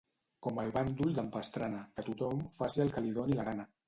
Com el bàndol d'en Pastrana, que tothom faci el que li doni la gana.